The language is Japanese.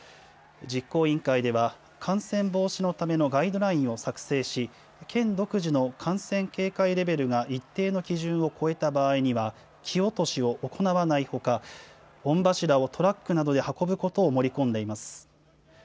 実行委員会では、感染防止のためのガイドラインを作成し、県独自の感染警戒レベルが一定の基準を超えた場合には、木落しを行わないほか、御柱をトラックなどで運ぶことを盛り込んでいます。